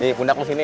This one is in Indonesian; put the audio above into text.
nih pindah ke sini